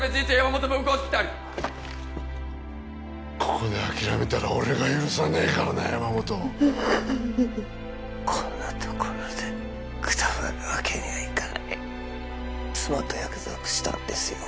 ここで諦めたら俺が許さねえからな山本こんな所でくたばるわけにはいかない妻と約束したんですよ